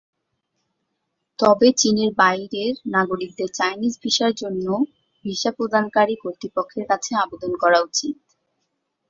তবে চীনের বাইরের নাগরিকদের চাইনিজ ভিসার জন্য ভিসা প্রদানকারী কর্তৃপক্ষের কাছে আবেদন করা উচিত।